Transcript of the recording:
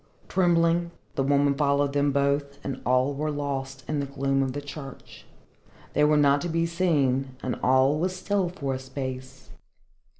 Trembling, the woman followed them both, and all were lost in the gloom of the church. They were not to be seen, and all was still for a space.